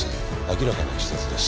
明らかな自殺です。